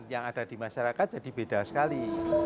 yang ada di masyarakat jadi beda sekali